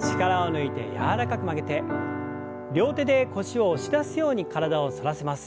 力を抜いて柔らかく曲げて両手で腰を押し出すように体を反らせます。